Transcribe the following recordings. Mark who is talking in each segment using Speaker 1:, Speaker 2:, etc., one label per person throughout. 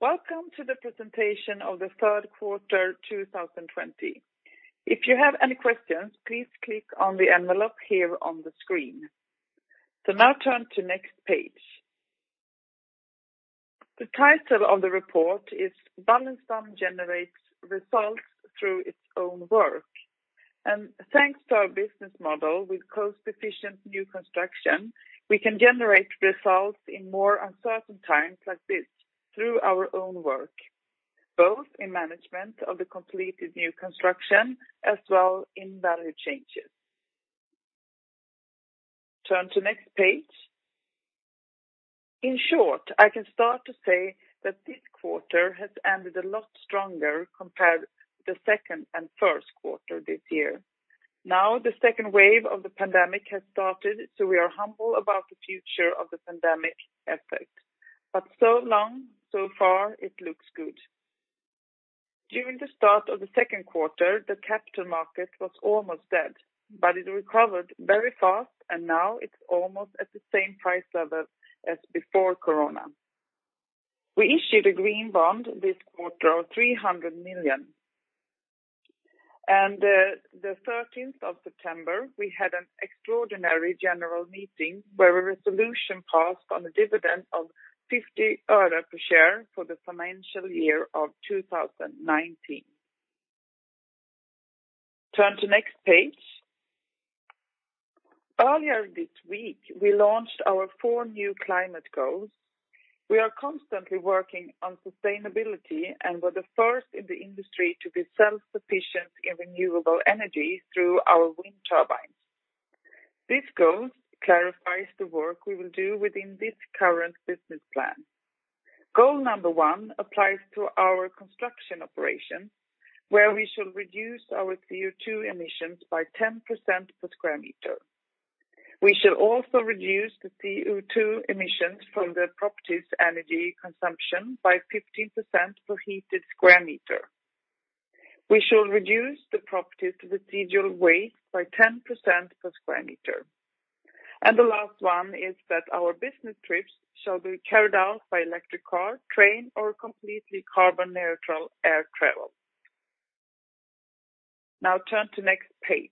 Speaker 1: Welcome to the presentation of the third quarter 2020. If you have any questions, please click on the envelope here on the screen. Now turn to next page. The title of the report is Wallenstam Generates Results Through Its Own Work. Thanks to our business model with cost-efficient new construction, we can generate results in more uncertain times like this through our own work, both in management of the completed new construction as well in value changes. Turn to next page. In short, I can start to say that this quarter has ended a lot stronger compared to the second and first quarter this year. Now, the second wave of the pandemic has started, so we are humble about the future of the pandemic effect. So long, so far, it looks good. During the start of the second quarter, the capital market was almost dead, it recovered very fast, and now it's almost at the same price level as before Corona. We issued a green bond this quarter of 300 million. The 13th of September, we had an extraordinary general meeting where a resolution passed on a dividend of 50 euro per share for the financial year of 2019. Turn to next page. Earlier this week, we launched our four new climate goals. We are constantly working on sustainability and were the first in the industry to be self-sufficient in renewable energy through our wind turbines. This goal clarifies the work we will do within this current business plan. Goal number one applies to our construction operations, where we shall reduce our CO2 emissions by 10% per square meter. We shall also reduce the CO2 emissions from the property's energy consumption by 15% per heated square meter. We shall reduce the property's residual waste by 10% per square meter. The last one is that our business trips shall be carried out by electric car, train, or completely carbon neutral air travel. Now turn to next page.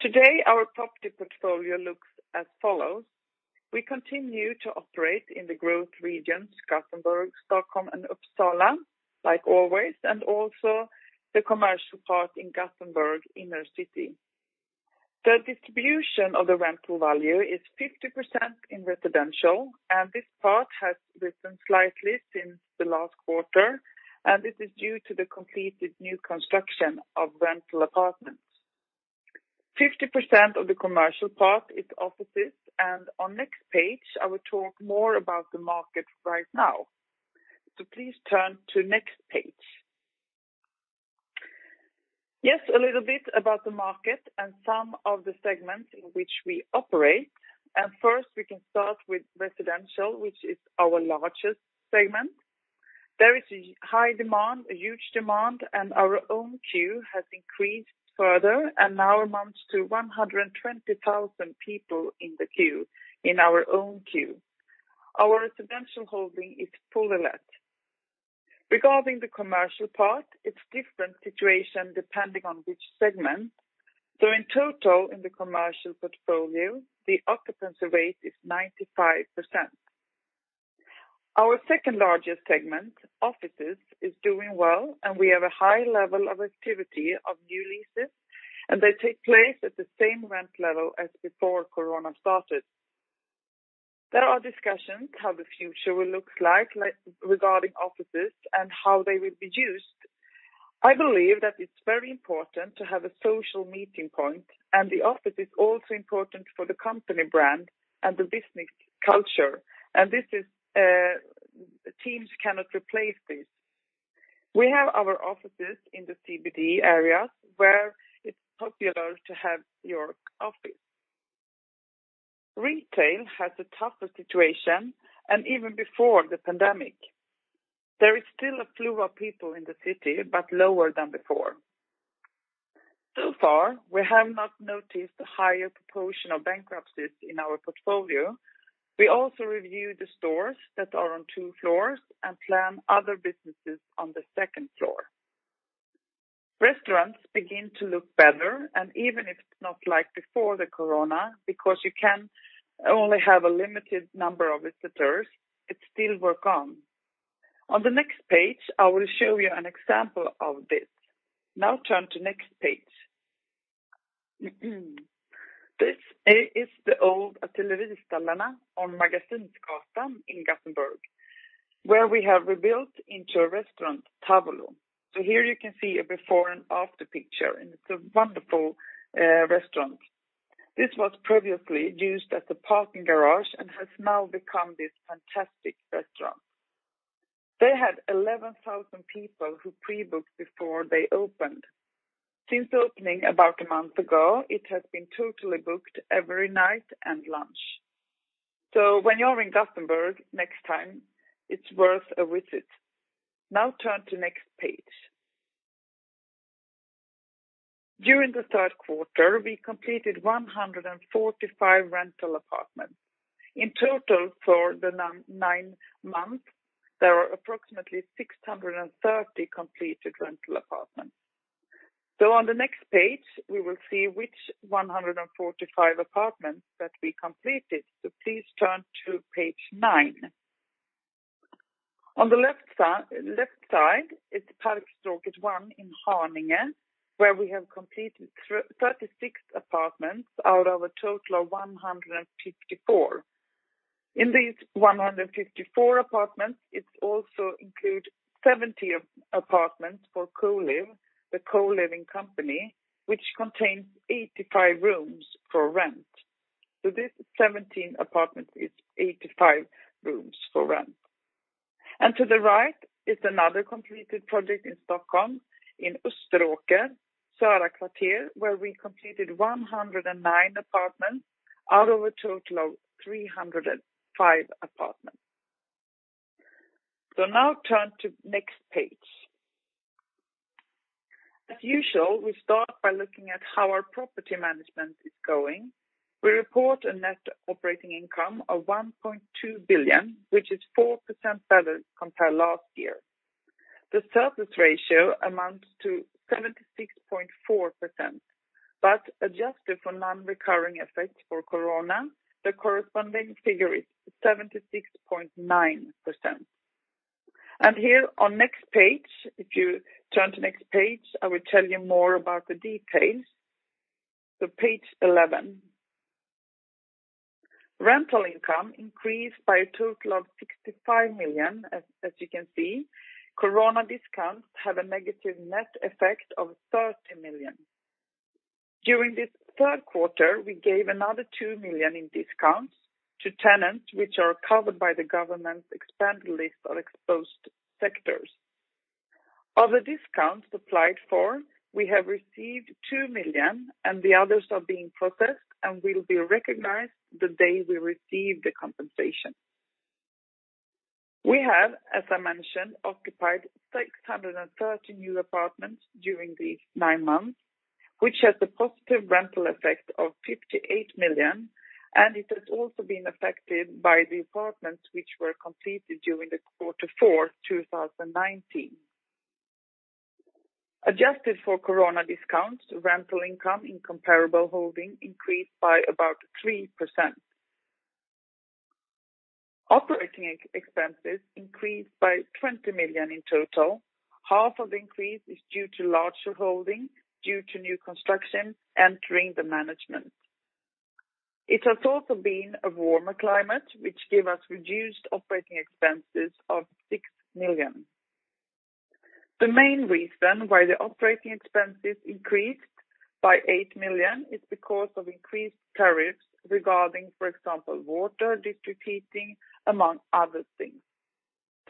Speaker 1: Today, our property portfolio looks as follows. We continue to operate in the growth regions, Gothenburg, Stockholm, and Uppsala, like always, and also the commercial part in Gothenburg inner city. The distribution of the rental value is 50% in residential, and this part has risen slightly since the last quarter, and this is due to the completed new construction of rental apartments. 50% of the commercial part is offices, and on next page, I will talk more about the market right now. Please turn to next page. Yes, a little bit about the market and some of the segments in which we operate. First, we can start with residential, which is our largest segment. There is a high demand, a huge demand, and our own queue has increased further and now amounts to 120,000 people in the queue, in our own queue. Our residential holding is fully let. Regarding the commercial part, it's different situation depending on which segment. In total in the commercial portfolio, the occupancy rate is 95%. Our second-largest segment, offices, is doing well, and we have a high level of activity of new leases, and they take place at the same rent level as before Corona started. There are discussions how the future will look like regarding offices and how they will be used. I believe that it's very important to have a social meeting point. The office is also important for the company brand and the business culture. Teams cannot replace this. We have our offices in the CBD areas where it's popular to have your office. Retail has a tougher situation, even before the pandemic. There is still a flow of people in the city, lower than before. So far, we have not noticed a higher proportion of bankruptcies in our portfolio. We also review the stores that are on two floors and plan other businesses on the second floor. Restaurants begin to look better, even if it's not like before the Corona, because you can only have a limited number of visitors, it still work on. On the next page, I will show you an example of this. Now turn to next page. This is the old Artilleristallarna on Magasinsgatan in Gothenburg, where we have rebuilt into a restaurant, Tavolo. Here you can see a before and after picture, and it's a wonderful restaurant. This was previously used as a parking garage and has now become this fantastic restaurant. They had 11,000 people who pre-booked before they opened. Since opening about a month ago, it has been totally booked every night and lunch. When you're in Gothenburg next time, it's worth a visit. Turn to next page. During the third quarter, we completed 145 rental apartments. In total for the nine months, there are approximately 630 completed rental apartments. On the next page, we will see which 145 apartments that we completed. Please turn to page nine. On the left side is the Parkstråket one in Haninge, where we have completed 36 apartments out of a total of 154. In these 154 apartments, it also include 17 apartments for Colive, the co-living company, which contains 85 rooms for rent. This 17 apartments is 85 rooms for rent. To the right is another completed project in Stockholm, in Österåker, Söra Kvarter, where we completed 109 apartments out of a total of 305 apartments. Now turn to next page. As usual, we start by looking at how our property management is going. We report a net operating income of 1.2 billion, which is 4% better compared last year. The surplus ratio amounts to 76.4%, adjusted for non-recurring effect for Corona, the corresponding figure is 76.9%. If you turn to next page, I will tell you more about the details. Page 11. Rental income increased by a total of 65 million, as you can see. Corona discounts have a negative net effect of 30 million. During this third quarter, we gave another 2 million in discounts to tenants which are covered by the government's expanded list of exposed sectors. Of the discounts applied for, we have received 2 million, the others are being processed and will be recognized the day we receive the compensation. We have, as I mentioned, occupied 630 new apartments during these nine months, which has a positive rental effect of 58 million, and it has also been affected by the apartments which were completed during quarter four 2019. Adjusted for Corona discounts, rental income in comparable holding increased by about 3%. Operating ex-expenses increased by 20 million in total. Half of the increase is due to larger holding due to new construction entering the management. It has also been a warmer climate, which give us reduced operating expenses of 6 million. The main reason why the operating expenses increased by 8 million is because of increased tariffs regarding, for example, water, district heating, among other things.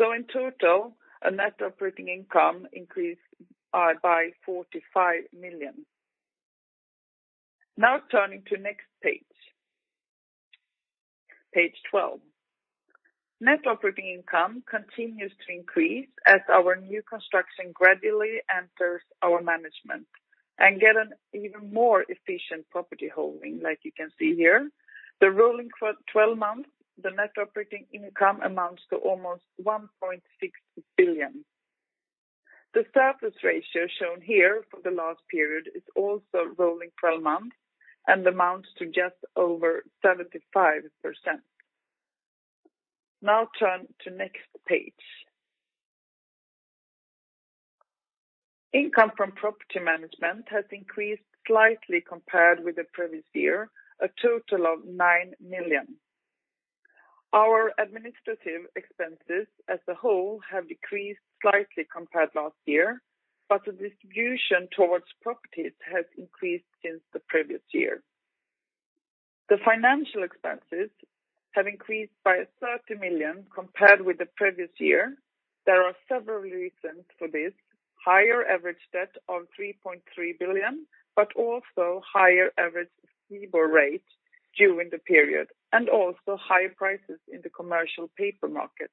Speaker 1: In total, a net operating income increased by 45 million. Now turning to next page. Page 12. Net operating income continues to increase as our new construction gradually enters our management and get an even more efficient property holding, like you can see here. The rolling for 12 months, the net operating income amounts to almost 1.6 billion. The surplus ratio shown here for the last period is also rolling 12 months and amounts to just over 75%. Turn to next page. Income from property management has increased slightly compared with the previous year, a total of 9 million. Our administrative expenses as a whole have decreased slightly compared last year, but the distribution towards properties has increased since the previous year. The financial expenses have increased by 30 million compared with the previous year. There are several reasons for this. Higher average debt of 3.3 billion, also higher average LIBOR rate during the period, also higher prices in the commercial paper market.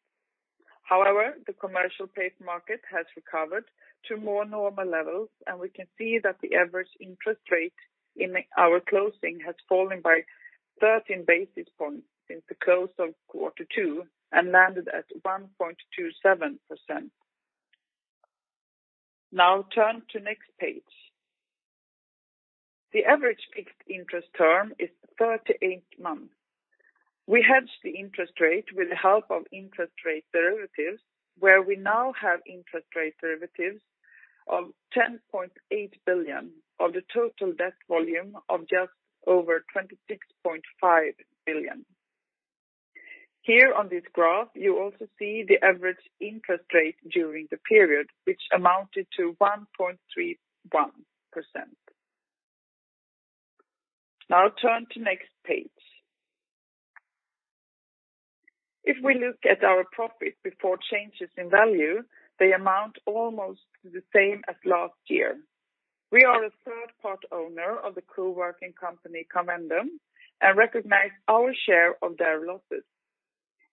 Speaker 1: However, the commercial paper market has recovered to more normal levels, we can see that the average interest rate in our closing has fallen by 13 basis points since the close of quarter two and landed at 1.27%. Now turn to next page. The average fixed interest term is 38 months. We hedged the interest rate with the help of interest rate derivatives, where we now have interest rate derivatives of 10.8 billion of the total debt volume of just over 26.5 billion. Here on this graph, you also see the average interest rate during the period, which amounted to 1.31%. Now turn to next page. If we look at our profit before changes in value, they amount almost to the same as last year. We are a third-part owner of the coworking company Convendum and recognize our share of their losses.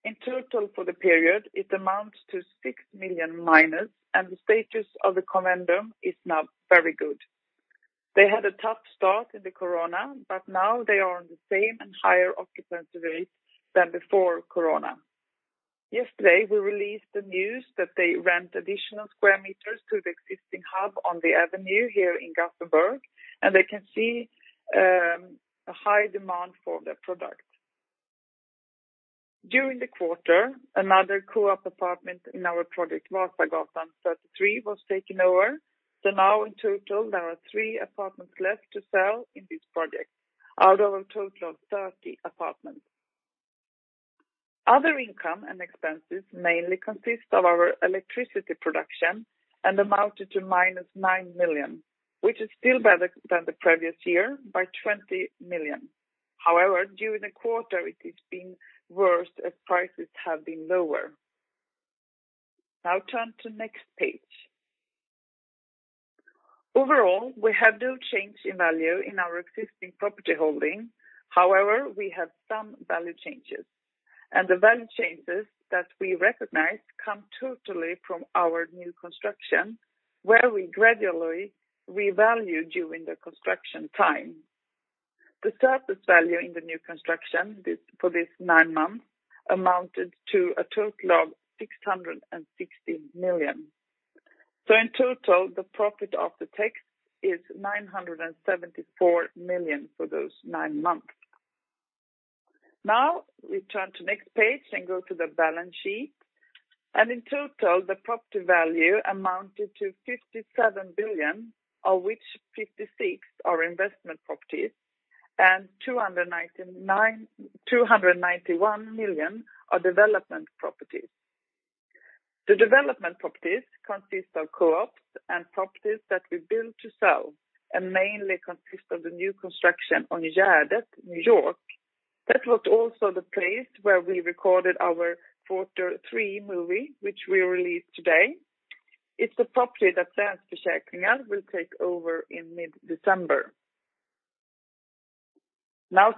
Speaker 1: In total for the period, it amounts to 6 million minus, and the status of the Convendum is now very good. They had a tough start in the Corona, but now they are on the same and higher occupancy rates than before Corona. Yesterday, we released the news that they rent additional square meters to the existing hub on the Avenyn here in Gothenburg, and they can see a high demand for their product. During the quarter, another co-op apartment in our project Vasagatan 33 was taken over. Now in total, there are three apartments left to sell in this project out of a total of 30 apartments. Other income and expenses mainly consist of our electricity production and amounted to -9 million, which is still better than the previous year by 20 million. However, during the quarter, it is been worse as prices have been lower. Now, turn to next page. Overall, we have no change in value in our existing property holding. However, we have some value changes. The value changes that we recognize come totally from our new construction, where we gradually revalue during the construction time. The surface value in the new construction for this nine months amounted to a total of 660 million. In total, the profit after tax is 974 million for those nine months. Now, we turn to next page and go to the balance sheet. In total, the property value amounted to 57 billion, of which 56 billion are investment properties, and 291 million are development properties. The development properties consist of co-ops and properties that we build to sell, and mainly consist of the new construction on Gärdet, New York. That was also the place where we recorded our quarter three movie, which we released today. It's a property that Svensk Försäkring will take over in mid-December. Now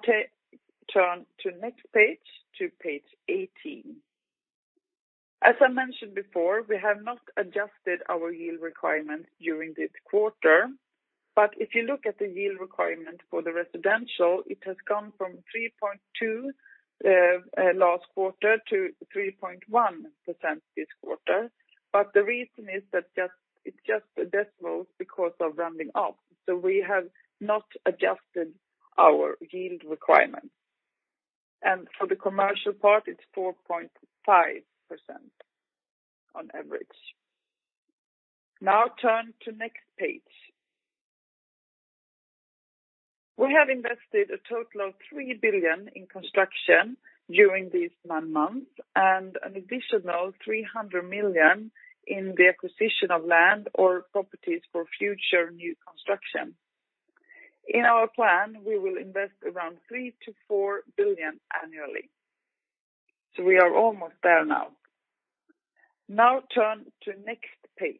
Speaker 1: turn to next page to page 18. As I mentioned before, we have not adjusted our yield requirement during this quarter. If you look at the yield requirement for the residential, it has gone from 3.2% last quarter to 3.1% this quarter. The reason is that it's just the decimal because of rounding up. We have not adjusted our yield requirement. For the commercial part, it's 4.5% on average. Turn to next page. We have invested a total of 3 billion in construction during these nine months and an additional 300 million in the acquisition of land or properties for future new construction. In our plan, we will invest around 3 billion-4 billion annually. We are almost there now. Turn to next page.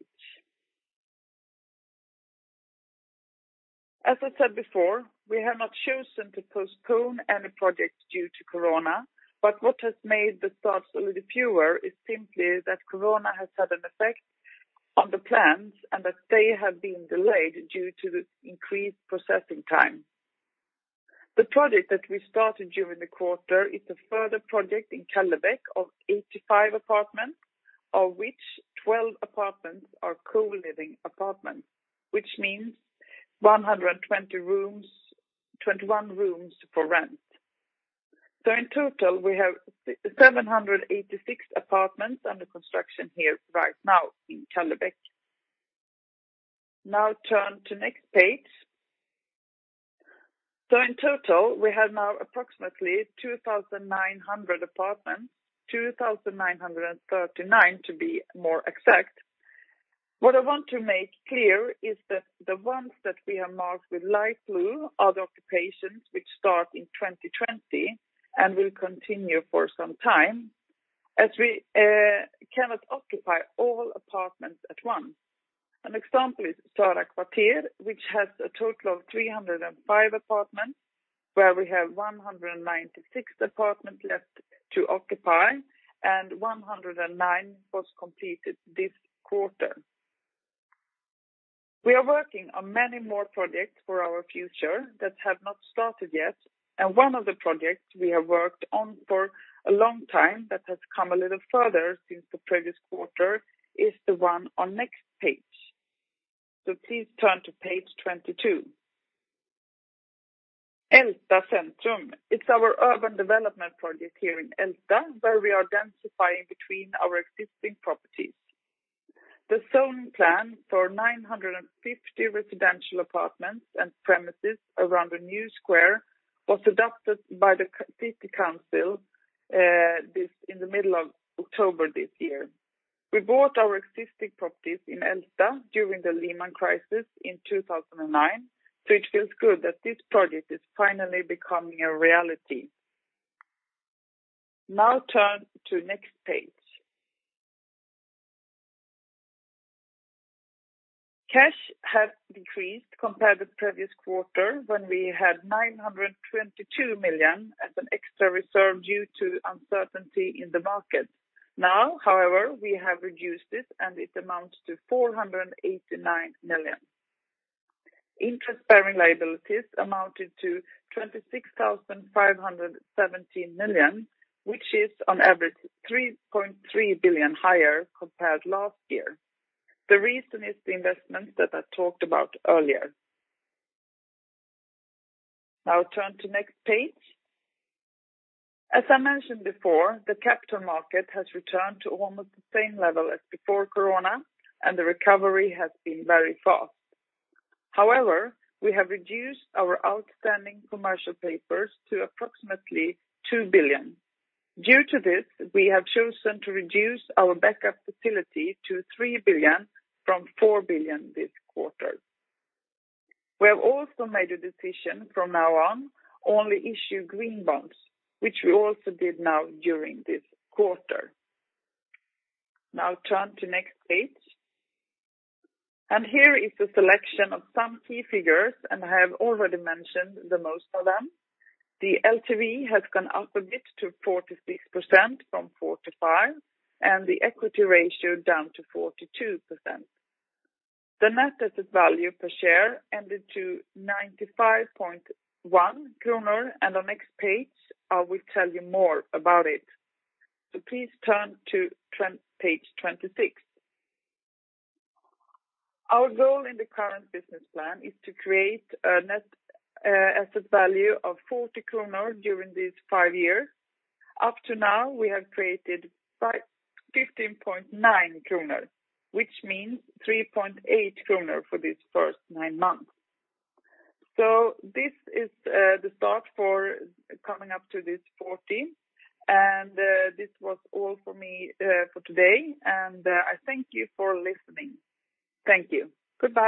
Speaker 1: As I said before, we have not chosen to postpone any projects due to Corona, but what has made the starts a little fewer is simply that Corona has had an effect on the plans and that they have been delayed due to the increased processing time. The project that we started during the quarter is a further project in Källebäck of 85 apartments, of which 12 apartments are co-living apartments, which means 121 rooms for rent. In total, we have 786 apartments under construction here right now in Källebäck. Turn to next page. In total, we have now approximately 2,900 apartments, 2,939 to be more exact. What I want to make clear is that the ones that we have marked with light blue are the occupations which start in 2020 and will continue for some time, as we cannot occupy all apartments at once. An example is Söra Kvarter, which has a total of 305 apartments, where we have 196 apartments left to occupy, and 109 was completed this quarter. We are working on many more projects for our future that have not started yet, and one of the projects we have worked on for a long time that has come a little further since the previous quarter is the one on next page. Please turn to page 22. Älta Centrum. It's our urban development project here in Älta, where we are densifying between our existing properties. The zoning plan for 950 residential apartments and premises around the new square was adopted by the city council in the middle of October this year. We bought our existing properties in Älta during the Lehman crisis in 2009, it feels good that this project is finally becoming a reality. Turn to next page. Cash has decreased compared with previous quarter when we had 922 million as an extra reserve due to uncertainty in the market. However, we have reduced it and it amounts to 489 million. Interest-bearing liabilities amounted to 26,517 million, which is on average 3.3 billion higher compared last year. The reason is the investments that I talked about earlier. Turn to next page. As I mentioned before, the capital market has returned to almost the same level as before Corona, the recovery has been very fast. However, we have reduced our outstanding commercial papers to approximately 2 billion. Due to this, we have chosen to reduce our backup facility to 3 billion from 4 billion this quarter. We have also made a decision from now on, only issue green bonds, which we also did now during this quarter. Turn to next page. Here is a selection of some key figures, and I have already mentioned the most of them. The LTV has gone up a bit to 46% from 45%, and the equity ratio down to 42%. The net asset value per share ended to 95.1 kronor, and on next page, I will tell you more about it. Please turn to page 26. Our goal in the current business plan is to create a net asset value of 40 kronor during these five years. Up to now, we have created 15.9 kronor, which means 3.8 kronor for this first nine months. This is the start for coming up to this 14. This was all for me for today. I thank you for listening. Thank you. Goodbye.